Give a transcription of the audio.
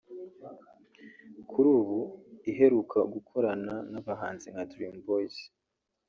Kuri ubu iheruka gukorana n’abahanzi nka Dream Boyz